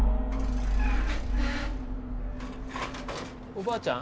おばあちゃん